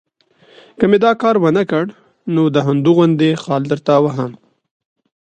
که مې دا کار ونه کړ، نو د هندو غوندې خال درته وهم.